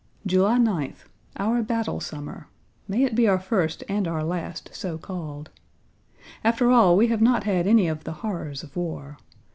July 9th. Our battle summer. May it be our first and our last, so called. After all we have not had any of the horrors of war.